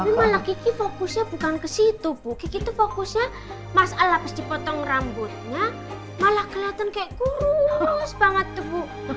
tapi malah kiki fokusnya bukan ke situ bu kiki itu fokusnya mas ala pas dipotong rambutnya malah kelihatan kayak kurus banget tuh bu